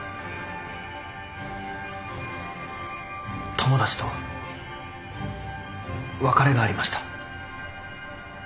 友達と別れがありました。